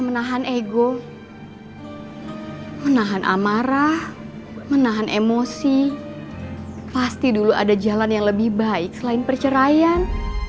menahan ego menahan amarah menahan emosi pasti dulu ada jalan yang lebih baik selain perceraian